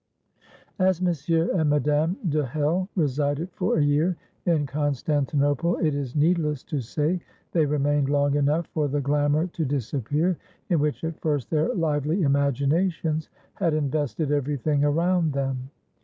As Monsieur and Madame de Hell resided for a year in Constantinople, it is needless to say they remained long enough for the glamour to disappear, in which at first their lively imaginations had invested everything around them.